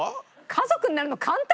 家族になるの簡単。